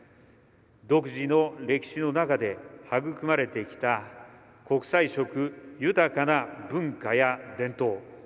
独自の歴史の中で育まれてきた国際色豊かな文化や伝統。